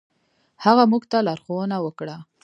هغه موږ ته لارښوونه وکړه.